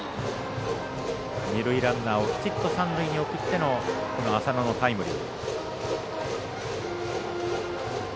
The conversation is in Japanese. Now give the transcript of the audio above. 二塁ランナーをきちっと三塁に送っての浅野のタイムリー。